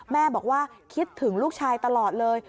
แม่บอกว่าคิดถึงลูกชายตลอดเลย